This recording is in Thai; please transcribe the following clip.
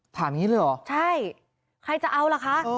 อย่างนี้เลยเหรอใช่ใครจะเอาล่ะคะ